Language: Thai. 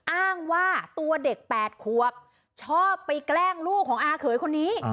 อ้างว่าตัวเด็ก๘ขวบชอบไปแกล้งลูกของอาเขยคนนี้